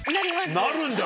なるんだ！